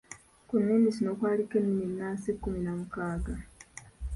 Ku nnimi zino kwaliko ennimi ennansi kkumi na mukaaga.